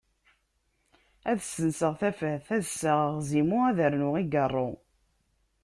Ad ssenseɣ tafat, ad ssaɣeɣ Zimu ad rnuɣ igarru.